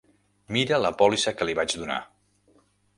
Mira la pòlissa que li vaig donar!